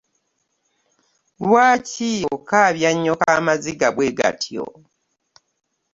Ewa ki okaabya nnyoko amaziga bwegatyo?